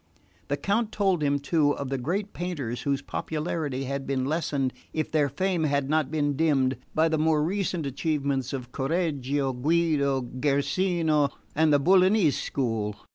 The Count told him, too, of the great painters whose popularity had been lessened, if their fame had not been dimmed, by the more recent achievements of Correggio, Guido, Guercino, and the Bolognese school.